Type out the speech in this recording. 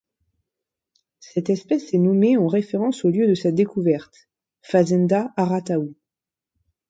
Cette espèce est nommée en référence au lieu de sa découverte, Fazenda Arataú.